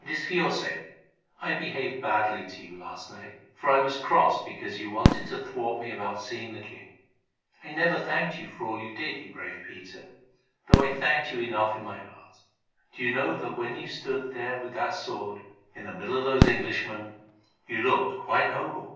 It is for your sake. I behaved badly to you last night, for I was cross because you wanted to thwart me about seeing the king. I never thanked you for all you did, you brave Peter, though I thanked you enough in my heart. Do you know that when you stood there with that sword, in the middle of those Englishmen, you looked quite noble?